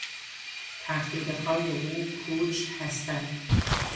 تهدیدهای او پوچ هستند.